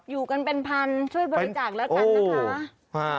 อยู่กันเป็นพันช่วยบริจาคแล้วกันนะคะ